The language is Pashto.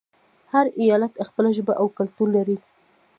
هر ایالت خپله ژبه او کلتور لري.